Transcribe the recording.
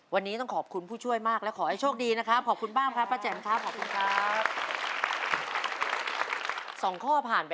วันนี้ต้องขอบคุณผู้ช่วยมากและขอให้โชคดีนะครับ